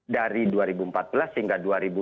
dari dua ribu empat belas hingga dua ribu dua puluh